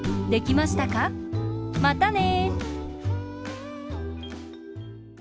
またね！